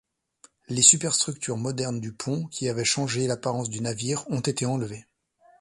Les superstructures modernes du pont, qui avaient changé l'apparence du navire, ont été enlevées.